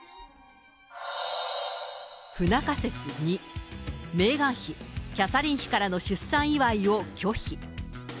不仲説２、メーガン妃、キャサリン妃からの出産祝いを拒否。